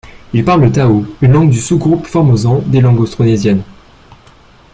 Ils parlent le thao, une langue du sous-groupe formosan des langues austronésiennes.